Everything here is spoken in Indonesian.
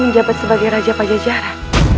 menjabat sebagai raja pajajara